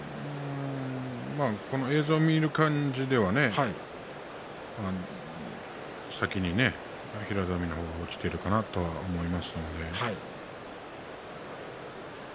この映像を見る感じでは先に平戸海の方が落ちているかなと思いますので。